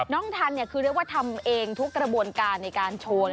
ทันคือเรียกว่าทำเองทุกกระบวนการในการโชว์